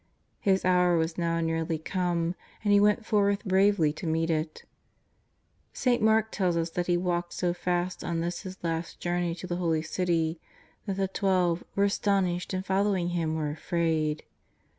His hour was now nearly come, and He went forth bravely to meet it. St. Mark tells us that He walked so fast, on this His last journey to the Holy City, that the Twelve " were astonished and following Him were afraid."